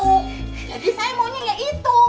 jadi saya maunya gak itu